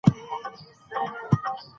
څېړونکو د بیزو کولمو بکتریاوې هم وڅېړې.